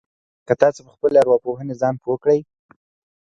که تاسې په خپلې ارواپوهنې ځان پوه کړئ.